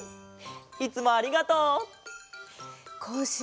いつもありがとう。